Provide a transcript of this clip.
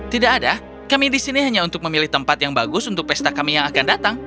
tidak ada kami di sini hanya untuk memilih tempat yang bagus untuk pesta kami yang akan datang